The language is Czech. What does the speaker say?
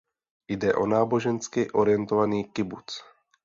Jde o nábožensky orientovaný kibuc.